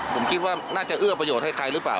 ผมคิดว่าน่าจะเอื้อประโยชน์ให้ใครหรือเปล่า